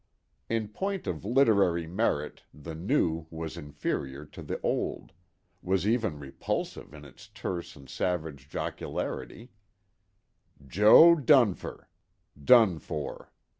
In point of literary merit the new was inferior to the old—was even repulsive in its terse and savage jocularity: JO. DUNFER. DONE FOR.